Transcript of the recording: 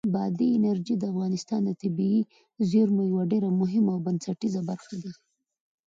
بادي انرژي د افغانستان د طبیعي زیرمو یوه ډېره مهمه او بنسټیزه برخه ده.